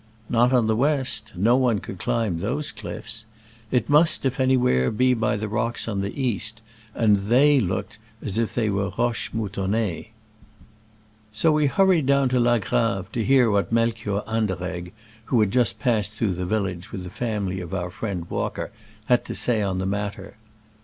Not on the west — no one could climb those cliffs. It must, if anywhere, be by the rocks on the east, and they looked as if they were roches moutonnees. So we hurried down to La Grave, to hear what Melchior Anderegg (who had just passed through the village with the family of our friend Walker) had to say on the matter.